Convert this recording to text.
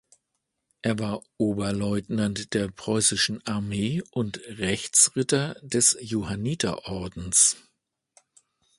Er war Oberleutnant der Preußischen Armee und Rechtsritter des Johanniterordens.